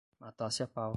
Matasse a pau